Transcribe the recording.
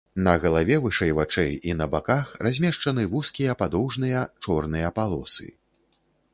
На галаве вышэй вачэй і на баках размешчаны вузкія падоўжныя чорныя палосы.